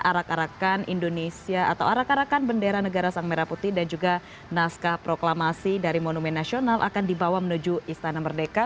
arak arakan indonesia atau arak arakan bendera negara sang merah putih dan juga naskah proklamasi dari monumen nasional akan dibawa menuju istana merdeka